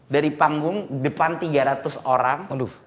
dari panggung depan tiga ratus orang